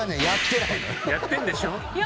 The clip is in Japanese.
やってんでしょ？